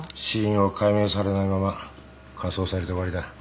死因を解明されないまま火葬されて終わりだ。